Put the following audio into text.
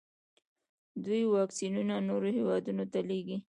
دوی واکسینونه نورو هیوادونو ته لیږي.